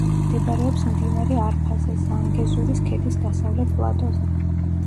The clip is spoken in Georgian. მდებარეობს მდინარე არფაზე, ზანგეზურის ქედის დასავლეთ პლატოზე.